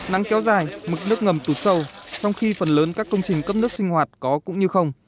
nắng kéo dài mực nước ngầm tụt sâu trong khi phần lớn các công trình cấp nước sinh hoạt có cũng như không